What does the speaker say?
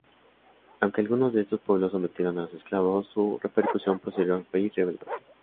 Aunque algunos de estos pueblos sometieron a los eslavos, su repercusión posterior fue irrelevante.